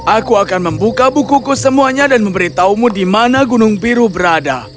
aku akan membuka bukuku semuanya dan memberitahumu di mana gunung biru berada